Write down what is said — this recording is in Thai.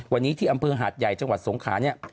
วันนี้ที่อำเภอหาดใหญ่จังหวัดสงขาเนี่ย